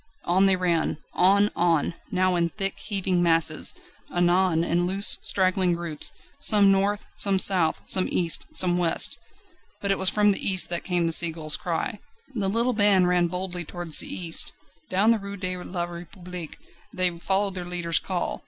On they ran on! on! now in thick, heaving masses, anon in loose, straggling groups some north, some south, some east, some west. But it was from the east that came the seagull's cry. The little band ran boldly towards the east. Down the Rue de la République they followed their leader's call.